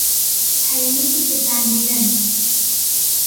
ھەینی دەتانبینم.